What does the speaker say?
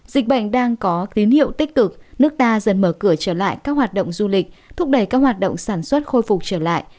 dịch bệnh đang có tín hiệu tích cực nước ta dần mở cửa trở lại các hoạt động du lịch thúc đẩy các hoạt động sản xuất khôi phục trở lại